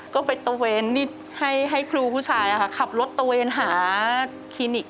ก็ไปตะเวนนิดให้ครูผู้ชายขับรถตะเวนหาคลินิก